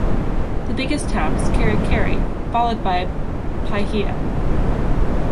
The biggest town is Kerikeri, followed by Paihia.